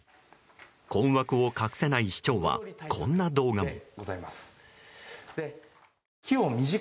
困惑を隠せない市長はこんな動画も。